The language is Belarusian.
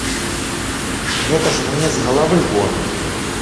Гэта ж мне з галавы вон.